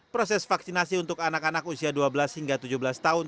proses vaksinasi untuk anak anak usia dua belas hingga tujuh belas tahun